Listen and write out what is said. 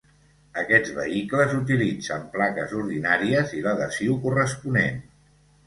Aquests vehicles utilitzen plaques ordinàries i l'adhesiu corresponent.